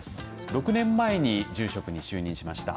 ６年前に住職に就任しました。